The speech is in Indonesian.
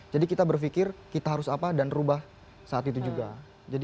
jadi kita berpikir kita harus apa dan berubah saat itu juga